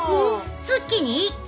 月に１回！